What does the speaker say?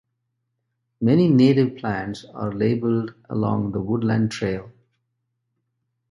Many native plants are labeled along the woodland trail.